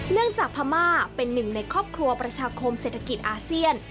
จากพม่าเป็นหนึ่งในครอบครัวประชาคมเศรษฐกิจอาเซียน